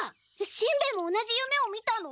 しんべヱも同じ夢を見たの？